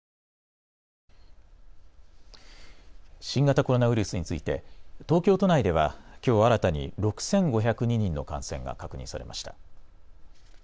新型コロナウイルスについて東京都内では、きょう新たに６５０２人の感染が確認されました。